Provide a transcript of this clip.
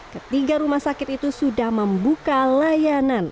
ketiga rumah sakit itu sudah membuka layanan